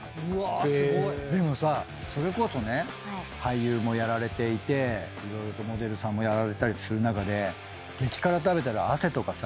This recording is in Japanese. でもさそれこそね俳優もやられていて色々とモデルさんもやられたりする中で激辛食べたら。